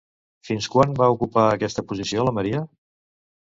Fins quan va ocupar aquesta posició la Maria?